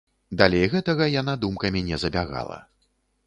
Далей гэтага яна думкамі не забягала.